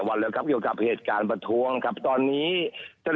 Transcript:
วันแล้วครับเกี่ยวกับเหตุการณ์ประท้วงครับตอนนี้ท่าน